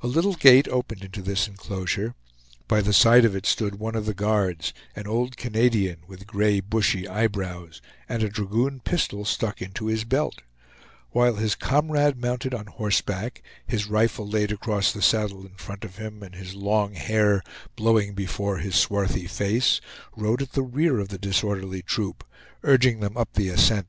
A little gate opened into this inclosure; by the side of it stood one of the guards, an old Canadian, with gray bushy eyebrows, and a dragoon pistol stuck into his belt; while his comrade, mounted on horseback, his rifle laid across the saddle in front of him, and his long hair blowing before his swarthy face, rode at the rear of the disorderly troop, urging them up the ascent.